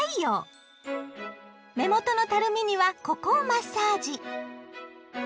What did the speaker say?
目元のたるみにはここをマッサージ。